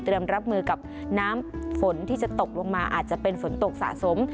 รับมือกับน้ำฝนที่จะตกลงมาอาจจะเป็นฝนตกสะสม